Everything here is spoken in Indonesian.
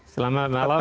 selamat malam renhar